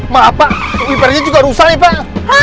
maaf pak iparnya juga rusak nih pak